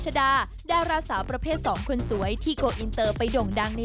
ชดาดาราสาวประเภทสองคนสวยที่โกอินเตอร์ไปด่งดังใน